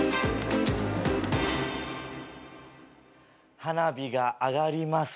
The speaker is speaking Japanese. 花火が上がります。